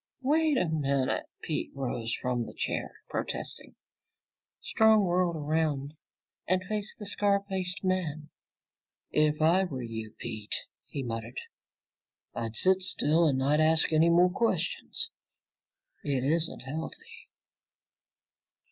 "Wait a minute!" Pete rose from his chair, protesting. Strong whirled around and faced the scar faced man. "If I were you, Pete," he muttered, "I'd sit still and not ask any more questions. It isn't healthy!"